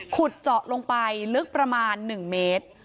ขุดเจาะลงไปลึกประมาณ๑เมตร